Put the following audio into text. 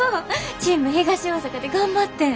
チーム東大阪で頑張ってん！